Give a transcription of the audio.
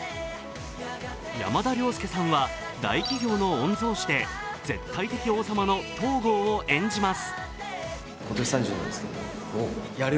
山田涼介さんは大企業の御曹司で絶対的王様の東郷を演じます。